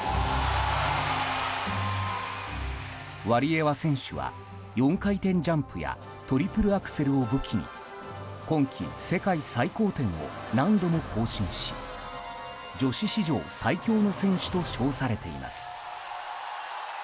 ワリエワ選手は４回転ジャンプやトリプルアクセルを武器に今季、世界最高点を何度も更新し女子史上最強の選手と称されています。